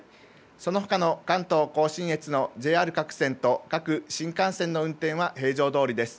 そのほかの関東甲信越のＪＲ各線と各新幹線の運転は平常どおりです。